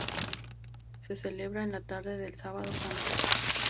Se celebra en la tarde del Sábado Santo.